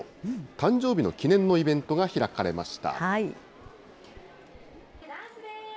誕生日の記念のイベントが開かれました。